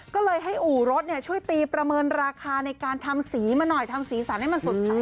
ก็เลยให้อู่รถช่วยตีประเมินราคาในการทำสีมาหน่อยทำสีสันให้มันสดใส